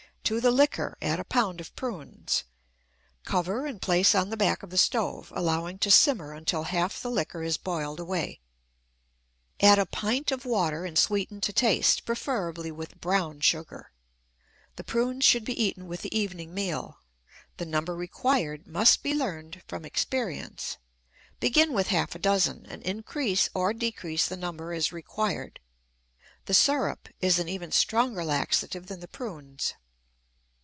To the liquor add a pound of prunes. Cover and place on the back of the stove, allowing to simmer until half the liquor has boiled away. Add a pint of water and sweeten to taste, preferably with brown sugar. The prunes should be eaten with the evening meal. The number required must be learned from experience. Begin with half a dozen, and increase or decrease the number, as required. The syrup is an even stronger laxative than the prunes.